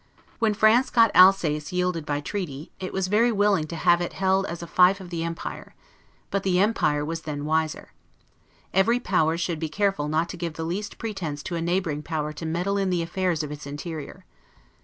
When France got Alsace yielded by treaty, it was very willing to have held it as a fief of the empire; but the empire was then wiser. Every power should be very careful not to give the least pretense to a neighboring power to meddle with the affairs of its interior.